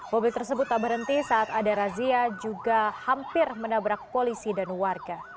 mobil tersebut tak berhenti saat ada razia juga hampir menabrak polisi dan warga